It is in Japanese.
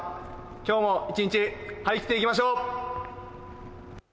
今日も一日、張り切っていきましょう。